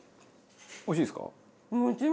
おいしいですか？